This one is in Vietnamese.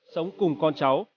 sống cùng con cháu